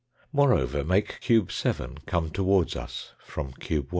Moreover, make cube 7 come towards us from cube 1.